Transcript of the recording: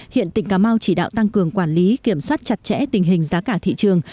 hiện tỉnh cà mau chỉ đạo tăng cường quản lý kiểm soát chặt chẽ tình hình giá cả thị trường